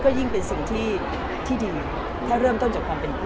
ยิ่งเป็นสิ่งที่ดีถ้าเริ่มต้นจากความเป็นพ่อ